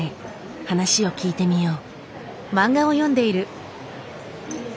話を聞いてみよう。